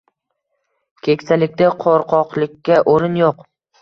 Keksalikda qo’rqoqlikka o’rin yo’q.